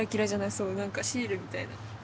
そう何かシールみたいな。